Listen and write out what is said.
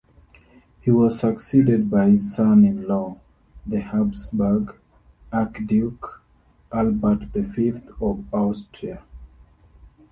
He was succeeded by his son-in-law, the Habsburg archduke Albert the Fifth of Austria.